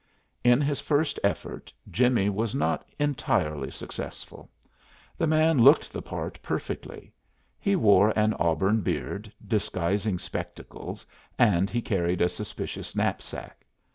In his first effort Jimmie was not entirely successful. The man looked the part perfectly; he wore an auburn beard, disguising spectacles, and he carried a suspicious knapsack.